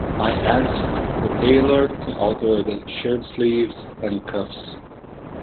I asked the tailor to alter the shirt sleeves and cuffs.